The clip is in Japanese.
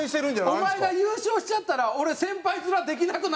「お前が優勝しちゃったら俺先輩面できなくなるから」